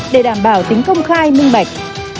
để đảm bảo tính công khai nâng mạch